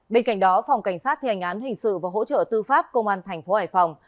bên cạnh đó phòng cảnh sát thi hành án hình sự và hỗ trợ tư pháp công an tp hải phòng